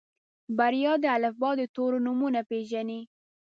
بريا د الفبا د تورو نومونه پېژني.